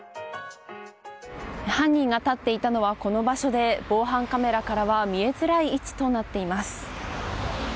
犯人が立っていたのはこの場所で防犯カメラからは見えづらい位置となっています。